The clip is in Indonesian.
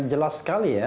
iya jelas sekali ya